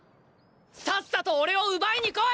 さっさとおれを奪いに来い！！